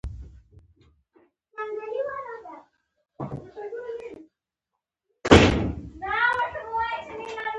لاسونه د پاکۍ نښه ده